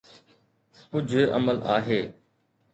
ڪجھ عمل آھن.